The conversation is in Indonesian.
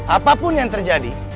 apapun yang terjadi